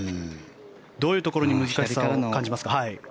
どういうところに難しさを感じますか？